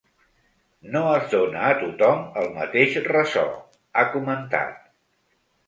“No es dóna a tothom el mateix ressò”, ha comentat.